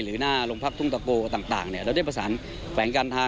หรือหน้าลงพักทุ่งตะโกต่างเราได้ผสานแผงการทาง